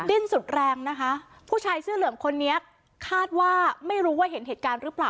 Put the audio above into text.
ดิ้นสุดแรงนะคะผู้ชายเสื้อเหลืองคนนี้คาดว่าไม่รู้ว่าเห็นเหตุการณ์หรือเปล่า